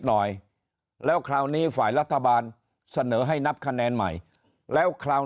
หน่อยแล้วคราวนี้ฝ่ายรัฐบาลเสนอให้นับคะแนนใหม่แล้วคราว